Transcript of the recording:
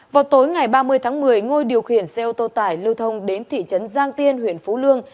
vào tối ngày ba mươi tháng một mươi ngôi điều khiển xe ô tô tải lưu thông đến thị trấn giang tiên huyện phú lương